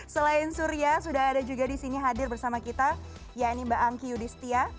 selain surya sudah ada juga di sini hadir bersama kita yaitu mbak angki yudhistia